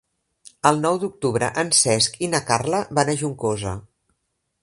El nou d'octubre en Cesc i na Carla van a Juncosa.